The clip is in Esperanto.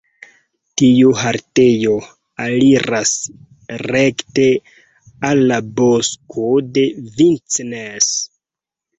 Tiu haltejo aliras rekte al la Bosko de Vincennes.